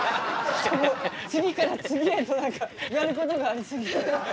次から次へと何かやることがありすぎて。